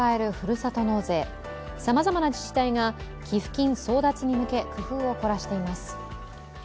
さまざまな自治体が寄付金争奪に向け工夫を凝らしています。